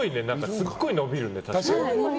すごい伸びるね。